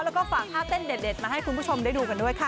แล้วก็ฝากท่าเต้นเด็ดมาให้คุณผู้ชมได้ดูกันด้วยค่ะ